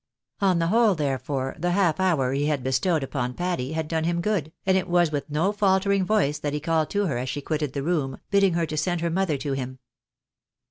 On the whole, therefore, the half hour he had bestowed upon Patty had done him good, and it was with no faltering voice that he called to her as she quitted the room, bidding her to send her mother to him.